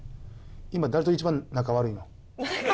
今誰と一番仲悪いの？